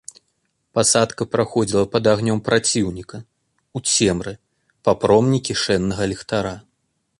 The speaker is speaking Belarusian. Пасадка праходзіла пад агнём праціўніка, у цемры, па промні кішэннага ліхтара.